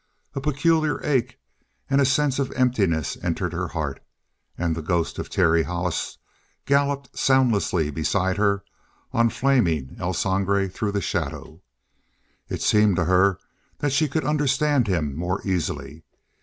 A peculiar ache and sense of emptiness entered her heart, and the ghost of Terry Hollis galloped soundlessly beside her on flaming El Sangre through the shadow. It seemed to her that she could understand him more easily.